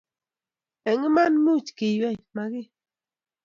eng Iman, muuch keyweei, magiy ?